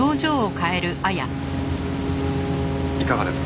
いかがですか？